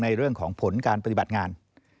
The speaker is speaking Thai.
เรื่องของผลการปฏิบัติงาน